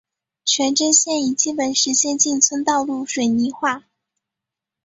全镇现已基本实现进村道路水泥化。